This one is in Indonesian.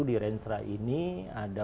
di renstra ini ada